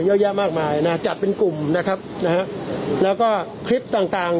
เยอะแยะมากมายนะจัดเป็นกลุ่มนะครับนะฮะแล้วก็คลิปต่างต่าง